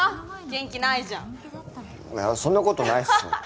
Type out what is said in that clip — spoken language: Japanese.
元気ないじゃんいやそんなことないっすよ